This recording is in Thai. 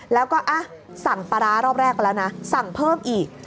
แล้วก็สั่งปลาร้ารอบแรกไปแล้วนะสั่งเพิ่มอีก